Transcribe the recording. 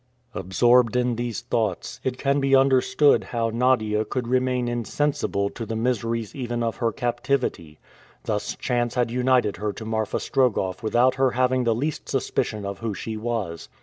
Absorbed in these thoughts, it can be understood how Nadia could remain insensible to the miseries even of her captivity. Thus chance had united her to Marfa Strogoff without her having the least suspicion of who she was.